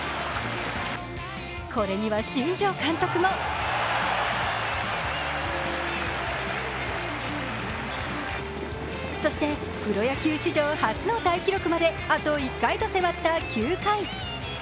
これには新庄監督もそしてプロ野球史上初の大記録まで、あと１回と迫った９回。